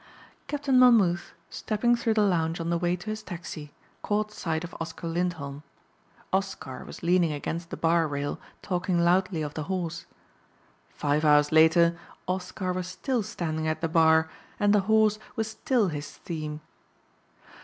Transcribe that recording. Captain Monmouth, stepping through the lounge on the way to his taxi, caught sight of Oscar Lindholm. Oscar was leaning against the bar rail talking loudly of the horse. Five hours later Oscar was still standing at the bar and the horse was still his theme.